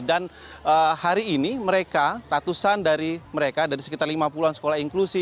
dan hari ini mereka ratusan dari mereka dari sekitar lima puluh an sekolah inklusi